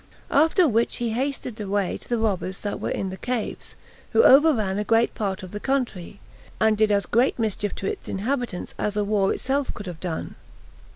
After which he hasted away to the robbers that were in the caves, who overran a great part of the country, and did as great mischief to its inhabitants as a war itself could have done.